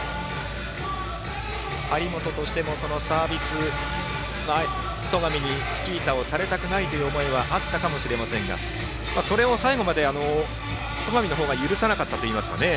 張本としてもサービス戸上にチキータをされたくないという思いはあったかもしれませんがそれを最後まで戸上の方が許さなかったといいいますかね。